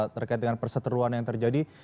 terkait dengan perseteruan yang terjadi